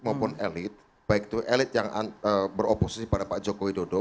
maupun elit baik itu elit yang beroposisi pada pak jokowi dodo